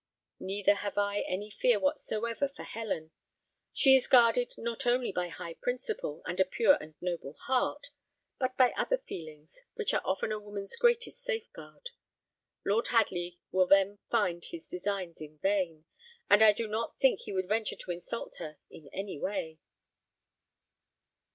Neither have I any fear whatsoever for Helen. She is guarded not only by high principle, and a pure and noble heart, but by other feelings, which are often a woman's greatest safeguard. Lord Hadley will then find his designs in vain; and I do not think he would venture to insult her in any way."